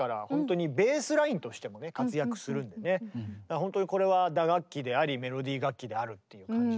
時にはほんとにこれは打楽器でありメロディー楽器であるという感じですね